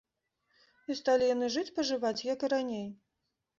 І сталі яны жыць-пажываць, як і раней.